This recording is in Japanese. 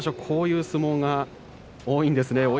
こういう相撲が多いんですね。